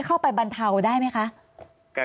เข้าไปบรรเทาได้ไหมคะ